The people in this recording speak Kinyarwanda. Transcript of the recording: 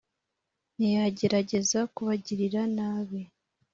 ntiyagerageza kubagirira nabi.